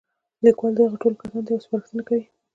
ليکوال دغو ټولو کسانو ته يوه سپارښتنه کوي.